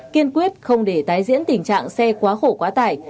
kiên quyết không để tái diễn tình trạng xe quá khổ quá tải